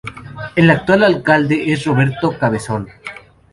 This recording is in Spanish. El actual alcalde es Roberto Cabezón.